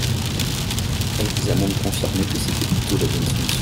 Elle vous a même confirmé que c’était plutôt la bonne solution.